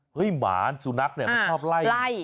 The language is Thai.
หมาสุนัขเนี่ยมันชอบไล่